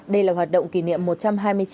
đây là hoạt động kỷ niệm một trăm hai mươi năm